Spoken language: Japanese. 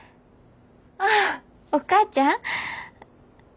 ああお母ちゃん？